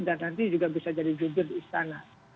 dan nanti juga bisa jadi judir di istana